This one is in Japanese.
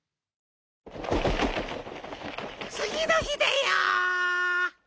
つぎのひだよ！